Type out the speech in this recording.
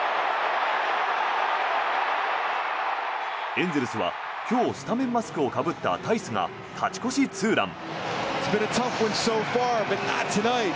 エンゼルスは今日スタメンマスクをかぶったタイスが勝ち越しツーラン。